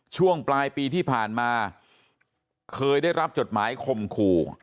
ช่วงปลายปีที่ผ่านมาเคยได้รับจดหมายคมขู่